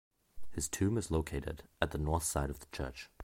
His tomb is located at the north side of the church.